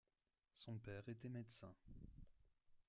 Son père était médecin.